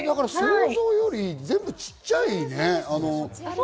想像より全部ちっちゃいね。